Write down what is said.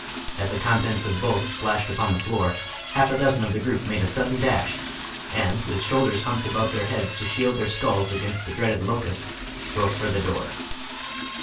As the contents of both splashed upon the floor, half a dozen o£ the group made a sudden dash, and with shoulders humped above their heads to shield their skulls against the dreaded locust broke for the door.